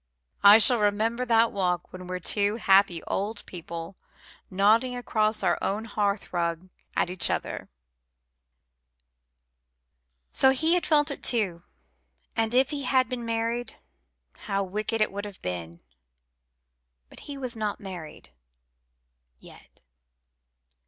I shall remember that walk when we're two happy old people nodding across our own hearthrug at each other." So he had felt it too; and if he had been married, how wicked it would have been! But he was not married yet.